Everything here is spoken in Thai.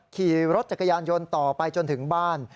ขี่รถจักรยานยนต์ต่อไปจนถึงบ้าน